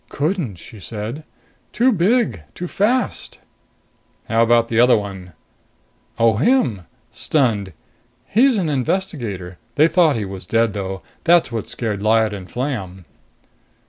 "Couldn't," she said. "Too big. Too fast." "How about the other one?" "Oh, him. Stunned. He's an investigator. They thought he was dead, though. That's what scared Lyad and Flam."